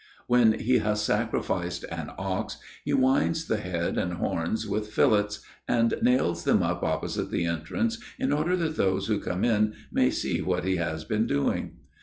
When he has sacrificed an ox, he winds the head and horns with fillets, and nails them up opposite the entrance, in order that those who come in may see what he has been doing.